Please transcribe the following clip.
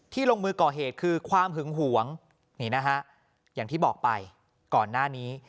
ลงมือก่อเหตุคือความหึงหวงนี่นะฮะอย่างที่บอกไปก่อนหน้านี้